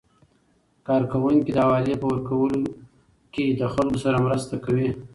کارکوونکي د حوالې په ورکولو کې له خلکو سره مرسته کوي.